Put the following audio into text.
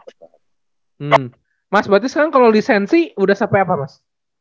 hmm mas berarti sekarang kalau lisensi udah sampai apa mas